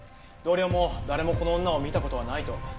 同僚も誰もこの女を見た事はないと。